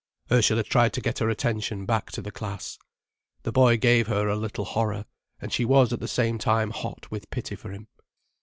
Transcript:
Ursula tried to get her attention back to the class. The boy gave her a little horror, and she was at the same time hot with pity for him.